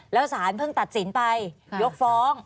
แล้วสารเพิ่งตัดสินไปยกฟ้อง